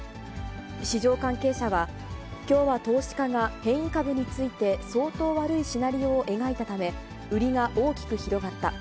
市場関係者は、きょうは投資家が、変異株について、相当悪いシナリオを描いたため、売りが大きく広がった。